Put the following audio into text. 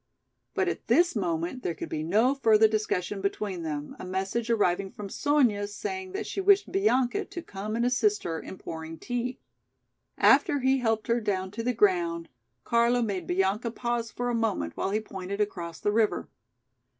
But at this moment there could be no further discussion between them, a message arriving from Sonya saying that she wished Bianca to come and assist her in pouring tea. After he helped her down to the ground, Carlo made Bianca pause for a moment while he pointed across the river.